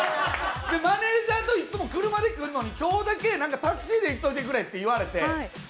マネージャーといつも車で来るのに今日だけタクシーで行かせてくれって言われて。